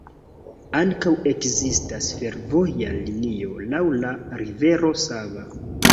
Ankaŭ ekzistas fervoja linio laŭ la rivero Sava.